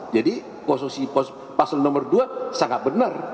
jadi posisi paslon nomor dua sangat benar